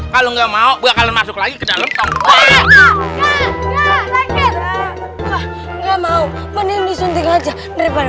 kalau nggak mau bakalan masuk lagi ke dalam tong enggak mau mending disuntik aja daripada